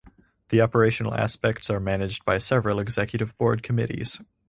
The operational aspects are managed by several Executive Board committees.